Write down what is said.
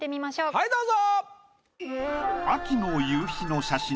はいどうぞ。